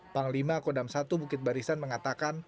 panglima kodam satu bukit barisan mengatakan